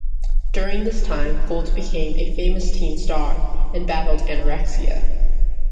During this time, Gold became a famous teen star and battled anorexia.